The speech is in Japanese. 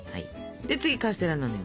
で次カステラなのよ。